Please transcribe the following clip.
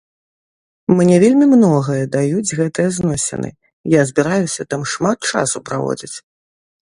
Мне вельмі многае даюць гэтыя зносіны, я збіраюся там шмат часу праводзіць.